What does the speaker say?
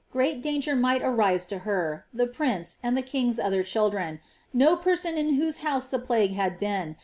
great danifr might arise to lier. iho prince, and the king'? other chiltlren. no ])erson in wliorf house the plague had been.